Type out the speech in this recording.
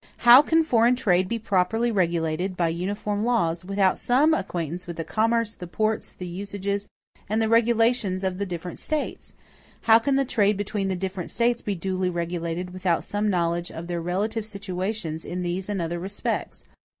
How can foreign trade be properly regulated by uniform laws, without some acquaintance with the commerce, the ports, the usages, and the regulations of the different States? How can the trade between the different States be duly regulated, without some knowledge of their relative situations in these and other respects?